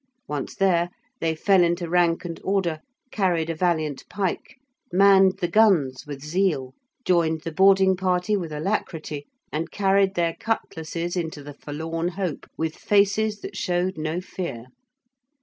Once there they fell into rank and order, carried a valiant pike, manned the guns with zeal, joined the boarding party with alacrity and carried their cutlasses into the forlorn hope with faces that showed no fear.